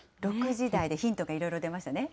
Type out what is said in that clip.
６時台でヒントがいろいろ出ましたね。